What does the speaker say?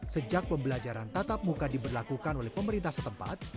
sejak pembelajaran tatap muka diberlakukan oleh pemerintah setempat